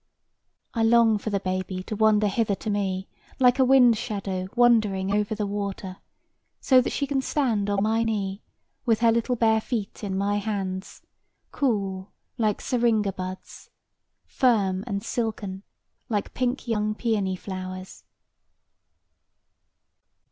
I long for the baby to wander hither to me Like a wind shadow wandering over the water, So that she can stand on my knee With her little bare feet in my hands, Cool like syringa buds, Firm and silken like pink young peony flowers.